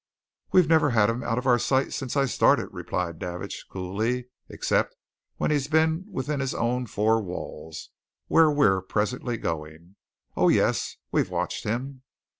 "We've never had him out of our sight since I started," replied Davidge, coolly, "except when he's been within his own four walls where we're presently going. Oh, yes we've watched him."